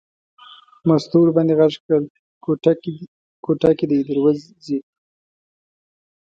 مستو ور باندې غږ کړل کوټه کې دی در وځي.